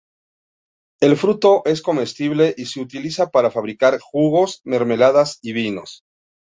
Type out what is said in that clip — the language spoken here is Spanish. El fruto es comestible y se utiliza para fabricar jugos, mermeladas y vinos.